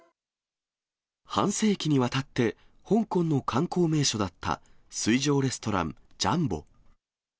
半世紀にわたって、香港の観光名所だった水上レストラン、ジャンボ。